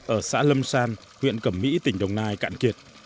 ở xã lâm san huyện cẩm mỹ tỉnh đồng nai cạn kiệt